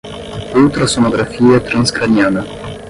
ultrassonografia transcraniana